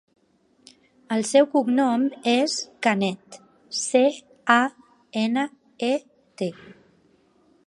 El seu cognom és Canet: ce, a, ena, e, te.